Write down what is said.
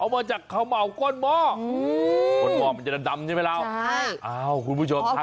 แบบนี้เลยนะ